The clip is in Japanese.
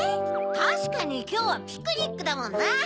たしかにきょうはピクニックだもんな。